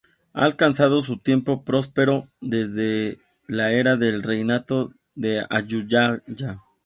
Ha alcanzado su tiempo próspero desde la era del reino de Ayutthaya.